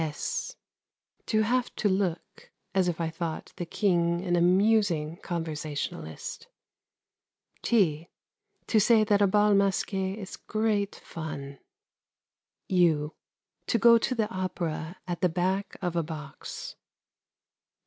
(s) To have to look as if I thought the King an amusing conversationalist. (t) To say that a Bal Masqué is great fun. (u) To go to the opera at the back of a box.